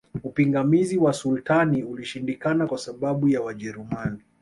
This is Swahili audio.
Upingamizi wa Sultani ulishindikana kwa sababu ya Wajerumani